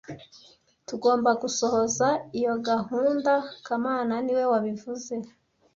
Tugomba gusohoza iyo gahunda kamana niwe wabivuze